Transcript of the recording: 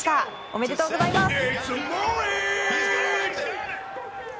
おめでとうございます！